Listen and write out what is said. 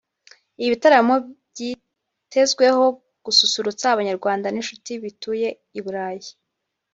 Ibi bitaramo byitezweho gususurutsa Abanyarwanda n’inshuti batuye i Burayi